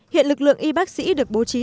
hiện lực lượng y bác sĩ được bố trí